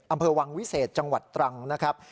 อำเภอวังวิเศษจังหวัดตรังนะครับ